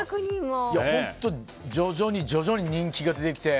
徐々に徐々に人気が出てきて。